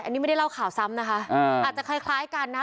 อันนี้ไม่ได้เล่าข่าวซ้ำนะคะอาจจะคล้ายคล้ายกันนะ